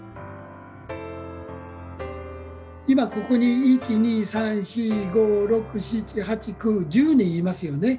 今ここに１２３４５６７８９１０人いますよね。